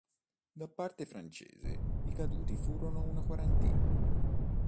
Da parte francese i caduti furono una quarantina.